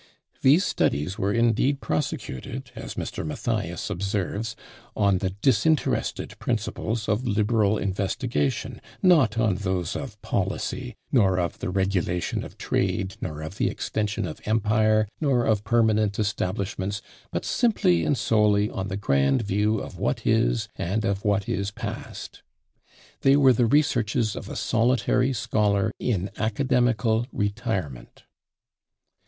These studies were indeed prosecuted, as Mr. Mathias observes, "on the disinterested principles of liberal investigation, not on those of policy, nor of the regulation of trade, nor of the extension of empire, nor of permanent establishments, but simply and solely on the grand view of what is, and of what is past. They were the researches of a solitary scholar in academical retirement."